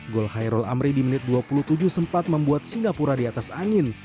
gol khairul amri di menit dua puluh tujuh sempat membuat singapura di atas angin